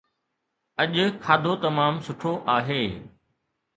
اڄ کاڌو تمام سٺو آهي